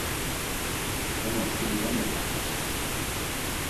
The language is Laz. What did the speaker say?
Ama şuri va megakaçan.